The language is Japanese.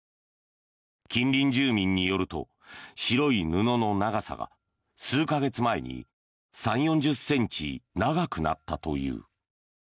近隣住民によると白い布の長さが数か月前に３０４０ｃｍ長くなったという。